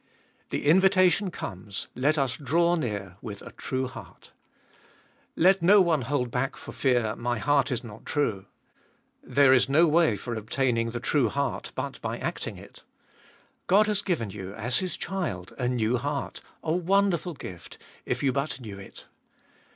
The invitation comes : Let us draw near with a true heart. Let no one hold back for fear, my heart is not true. There is no way for obtaining the true heart, but by acting it. God has given you, as his child, a new heart — a wonderful gift, if you but knew it.